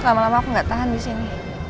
lama lama aku gak tahan disini